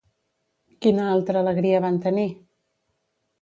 Quina altra alegria van tenir?